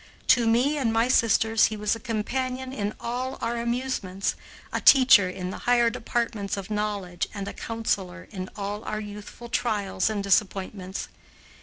To me and my sisters he was a companion in all our amusements, a teacher in the higher departments of knowledge, and a counselor in all our youthful trials and disappointments.